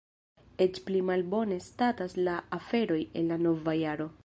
Eĉ pli malbone statas la aferoj en la nova jaro.